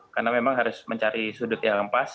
karena memang harus mencari sudut yang pas